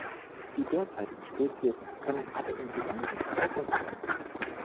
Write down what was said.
Die derzeitigen Spezies können alle in Südamerika gefunden werden.